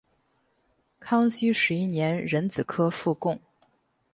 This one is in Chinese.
康熙十一年壬子科副贡。